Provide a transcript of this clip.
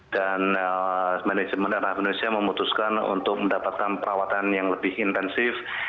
dan manajemen dan rahmanusia memutuskan untuk mendapatkan perawatan yang lebih intensif